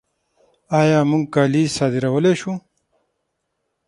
آیا موږ کالي صادرولی شو؟